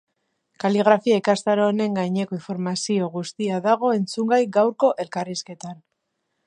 Kaligrafia ikastaro honen gaineko informazio guztia dago entzungai gaurko elkarrizketan.